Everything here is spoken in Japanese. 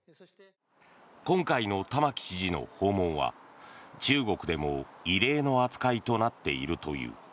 今回の玉城知事の訪問は中国でも異例の扱いとなっているという。